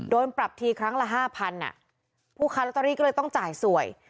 โดนปรับทีครั้งละห้าพันผู้ค้าลอตเตอรี่ก็เลยต้องจ่ายสวย